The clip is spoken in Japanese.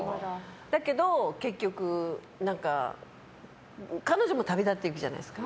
だけど結局、彼女も旅立っていくじゃないですか。